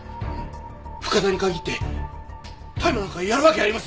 深田に限って大麻なんかやるわけありません！